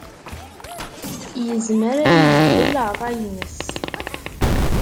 Yezmer ad ibeddel ṛṛay-nnes.